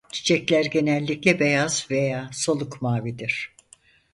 Çiçekler genellikle beyaz veya soluk mavidir.